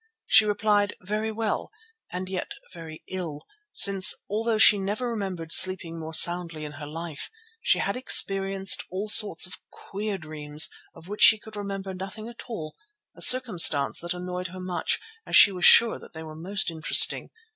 She replied, Very well and yet very ill, since, although she never remembered sleeping more soundly in her life, she had experienced all sorts of queer dreams of which she could remember nothing at all, a circumstance that annoyed her much, as she was sure that they were most interesting.